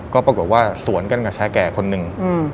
ก็ปรากฏว่าสวนกันกับชายแก่คนหนึ่ง